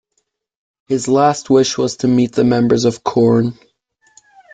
His last wish was to meet the members of Korn.